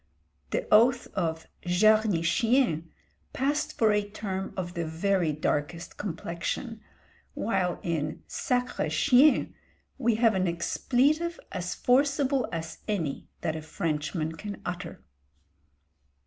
The oath of Jarnichien! passed for a term of the very darkest complexion; while in sacré chien, we have an expletive as forcible as any that a Frenchman can utter.